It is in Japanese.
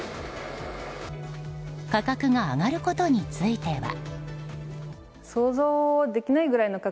価格が上がることについては。